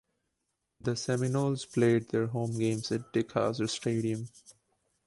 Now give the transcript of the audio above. The Seminoles played their home games at Dick Howser Stadium.